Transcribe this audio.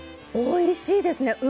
おいしいですね。